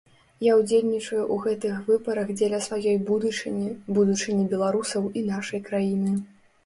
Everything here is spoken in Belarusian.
Я ўдзельнічаю ў гэтых выбарах дзеля сваёй будучыні, будучыні беларусаў і нашай краіны.